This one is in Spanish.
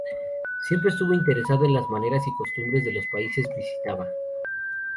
Siempre estuvo interesado en las maneras y costumbres de los países visitaba.